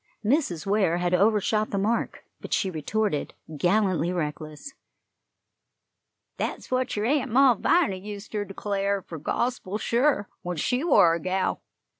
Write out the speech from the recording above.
Mrs. Ware had overshot the mark, but she retorted, gallantly reckless: "That's what yer Aunt Malviny useter declar' fur gospel sure, when she war a gal.